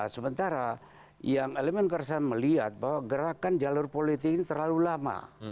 sementara yang elemen kekerasan melihat bahwa gerakan jalur politik ini terlalu lama